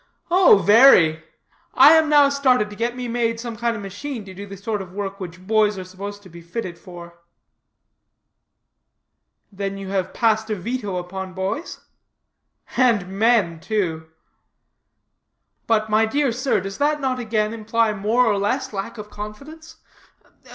"Oh, very! I am now started to get me made some kind of machine to do the sort of work which boys are supposed to be fitted for." "Then you have passed a veto upon boys?" "And men, too." "But, my dear sir, does not that again imply more or less lack of confidence?